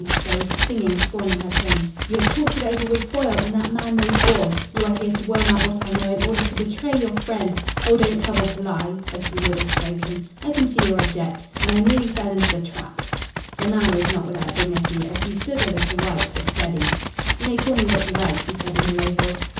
There was stinging scorn in her tone. "You have talked it over with Foyle, and that man knows all. You are here to worm out what I know in order to betray your friend. Oh, don't trouble to lie," as he would have spoken, "I can see your object. And I nearly fell into the trap." The man was not without dignity, as he stood a little white but steady. "You may call me what you like," he said in a low voice.